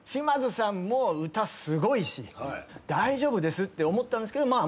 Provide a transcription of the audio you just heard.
島津さんも歌すごいし大丈夫ですって思ったんですけど